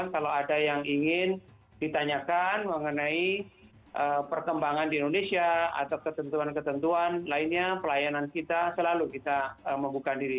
kalau ada yang ingin ditanyakan mengenai perkembangan di indonesia atau ketentuan ketentuan lainnya pelayanan kita selalu kita membuka diri